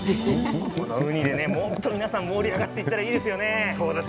このウニでねもっと皆さん盛り上がっていったらいいですよね。